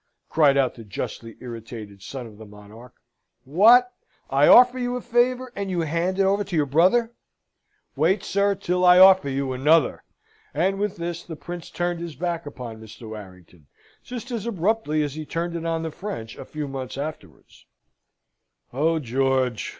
cried out the justly irritated son of the monarch. "What? I offer you a favour, and you hand it over to your brother? Wait, sir, till I offer you another!" And with this the Prince turned his back upon Mr. Warrington, just as abruptly as he turned it on the French a few months afterwards. "Oh, George!